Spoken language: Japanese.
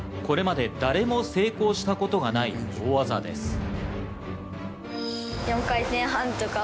これまで誰も成功したことがない大技です。